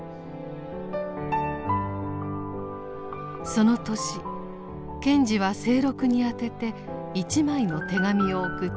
その年賢治は清六に宛てて一枚の手紙を送っています。